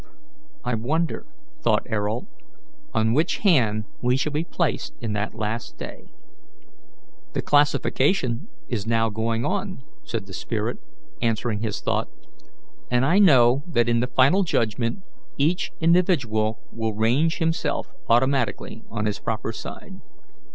"I wonder," thought Ayrault, "on which hand we shall be placed in that last day." "The classification is now going on," said the spirit, answering his thought, "and I know that in the final judgment each individual will range himself automatically on his proper side."